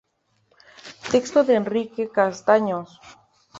Texto de Enrique Castaños.